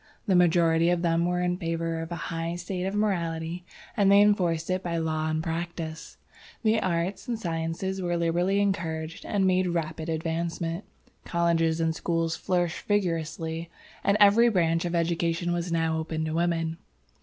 The majority of them were in favor of a high state of morality, and they enforced it by law and practice. The arts and sciences were liberally encouraged and made rapid advancement. Colleges and schools flourished vigorously, and every branch of education was now open to women.